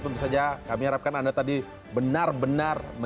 tentu saja kami harapkan